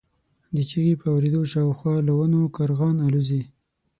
د چیغې په اورېدو شاوخوا له ونو کارغان الوځي.